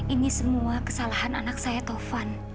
ini semua kesalahan anak saya tovan